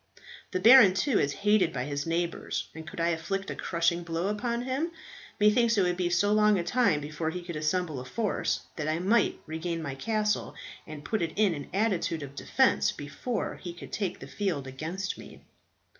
The baron, too, is hated by his neighbours, and could I inflict a crushing blow upon him, methinks it would be so long a time before he could assemble a force, that I might regain my castle and put it in an attitude of defence before he could take the field against me."